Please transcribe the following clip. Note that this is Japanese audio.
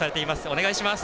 お願いします。